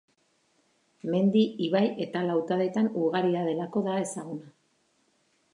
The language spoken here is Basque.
Mendi, ibai eta lautadetan ugaria delako da ezaguna.